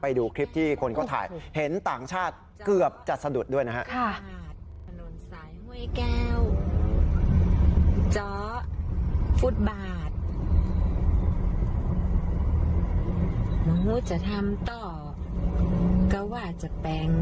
ไปดูคลิปที่คนเขาถ่ายเห็นต่างชาติเกือบจะสะดุดด้วยนะฮะ